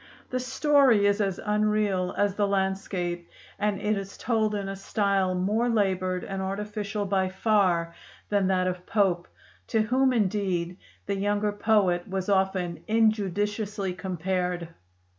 The story is as unreal as the landscape, and it is told in a style more labored and artificial by far than that of Pope, to whom indeed the younger poet was often injudiciously compared.